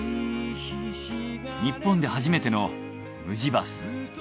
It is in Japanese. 日本で初めてのＭＵＪＩバス。